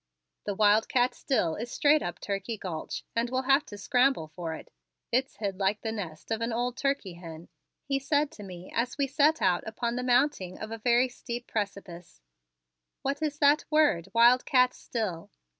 "The wildcat still is straight up Turkey Gulch and we'll have to scramble for it. It's hid like the nest of an old turkey hen," he said to me as we set out upon the mounting of a very steep precipice. "What is that word, 'wildcat still'?"